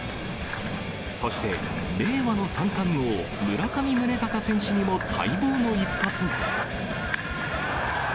そして、令和の三冠王、村上宗隆選手にも待望の一発が。